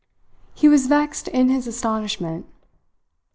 He was vexed in his astonishment.